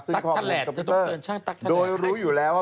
ซึ่งข้อมูลคอมพิวเตอร์โดยรู้อยู่แล้ว